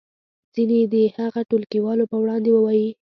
ځینې دې هغه ټولګیوالو په وړاندې ووایي.